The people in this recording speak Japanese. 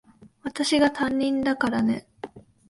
私が担任だからね。